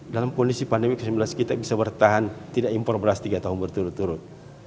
dalam kondisi pandemi covid sembilan belas kita bisa bertahan tidak impor beras tiga tahun berturut turut